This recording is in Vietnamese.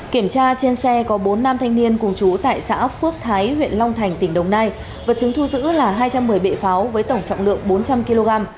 kiểm tra trên xe có bốn nam thanh niên cùng chú tại xã phước thái huyện long thành tỉnh đồng nai vật chứng thu giữ là hai trăm một mươi bệ pháo với tổng trọng lượng bốn trăm linh kg